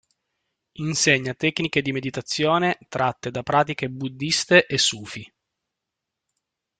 Insegna tecniche di meditazione tratte da pratiche buddhiste e sufi.